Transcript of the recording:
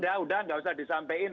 ya udah nggak usah disampaikan